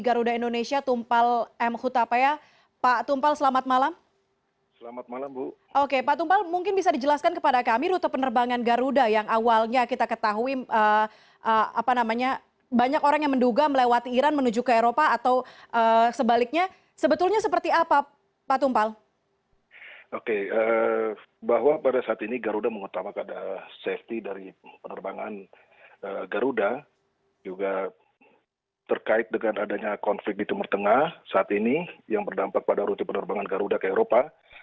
garuda mengutama keadaan safety dari penerbangan garuda juga terkait dengan adanya konflik di tumur tengah saat ini yang berdampak pada rute penerbangan garuda ke eropa